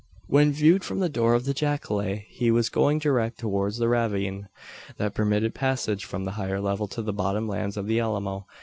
When viewed from the door of the jacale, he was going direct towards the ravine, that permitted passage from the higher level to the bottom lands of the Alamo.